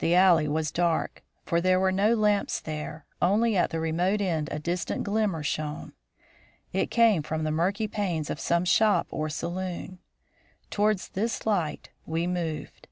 The alley was dark, for there were no lamps there; only at the remote end a distant glimmer shone. It came from the murky panes of some shop or saloon. Towards this light we moved.